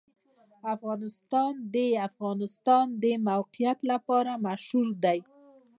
افغانستان د د افغانستان د موقعیت لپاره مشهور دی.